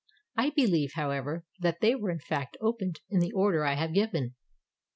I believe, however, that they were in fact opened in the order I have given.